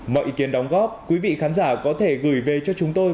mọi ý kiến đóng góp quý vị khán giả có thể gửi về cho chúng tôi